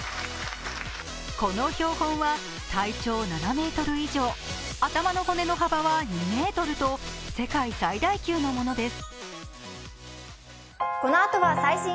この標本は体長７ｍ以上、頭の骨の幅は２ｍと世界最大級のものです。